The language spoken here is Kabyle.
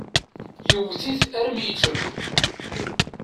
Yewwet-it armi i yettru.